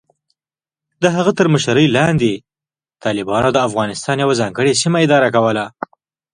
د هغه تر مشرۍ لاندې، طالبانو د افغانستان یوه ځانګړې سیمه اداره کوله.